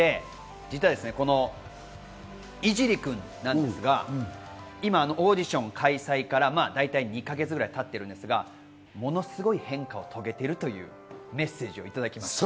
実はこの井尻君なんですが、今、オーディション開催からだいたい２か月ぐらい経っているんですが、ものすごい変化を遂げているというメッセージをいただきました。